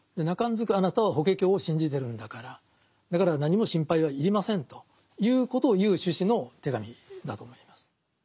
なかんずくあなたは「法華経」を信じてるんだからだから何も心配は要りませんということを言う趣旨の手紙だと思います。